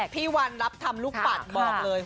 พี่วันรับทำลูกปัดบอกเลย